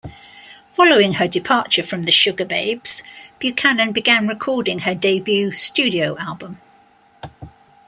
Following her departure from the Sugababes, Buchanan began recording her debut studio album.